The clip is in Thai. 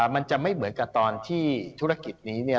มันจะไม่เหมือนกับตอนที่ธุรกิจนี้เนี่ย